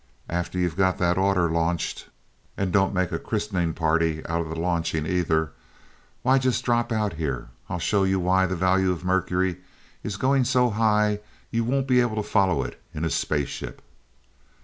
After you've got that order launched, and don't make a christening party of the launching either, why just drop out here, and I'll show you why the value of mercury is going so high you won't be able to follow it in a space ship."